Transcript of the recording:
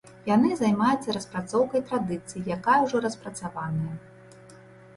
Яны займаюцца распрацоўкай традыцыі, якая ўжо распрацаваная.